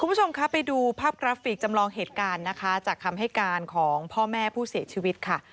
คุณผู้ชมคะไปดูภาพกราฟิกจำลองเหตุการณ์นะคะจากคำให้การของพ่อแม่ผู้เสียชีวิตค่ะ